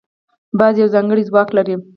باز یو ځانګړی ځواک لري